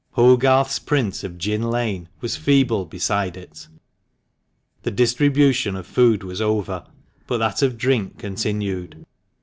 Hogarth's print of " Gin Lane " was feeble beside it. The distribution of food was over, but that of drink continued.